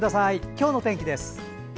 今日の天気です。